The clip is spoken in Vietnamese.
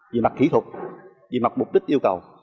vì mặt kỹ thuật vì mặt mục đích yêu cầu